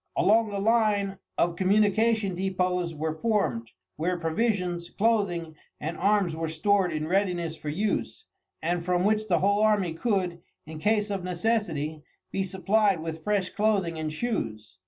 Along the line of communication depots were formed, where provisions, clothing, and arms were stored in readiness for use, and from which the whole army could, in case of necessity, be supplied with fresh clothing and shoes.